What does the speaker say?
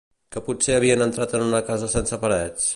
Que potser havien entrat en una casa sense parets?